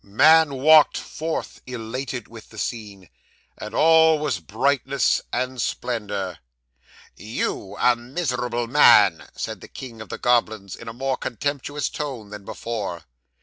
Man walked forth, elated with the scene; and all was brightness and splendour. '"_You _a miserable man!" said the king of the goblins, in a more contemptuous tone than before.